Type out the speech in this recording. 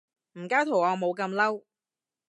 唔加圖案冇咁嬲